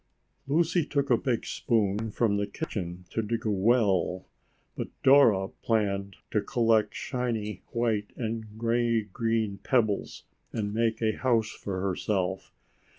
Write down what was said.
Lucy took a big spoon from the kitchen to dig a well, but Dora planned to collect shiny white and gray green pebbles and make a house for herself.